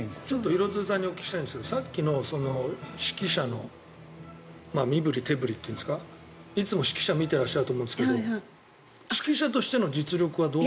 廣津留さんにお聞きしたいんですけどさっきの指揮者の身ぶり手ぶりっていうんですかいつも指揮者を見ていらっしゃると思うんですが指揮者としての実力はどう？